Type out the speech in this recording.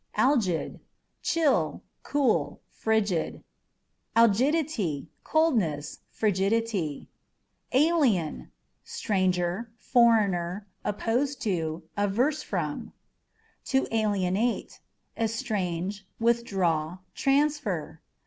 Algid â€" chill, cool, frigid. Algidityâ€" coldness, frigidity. Alien â€" stranger, foreigner ; opposed to, averse from. To Alienate â€" estrange, withdraw, transfer.